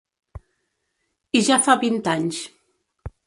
I ja fa vint anys.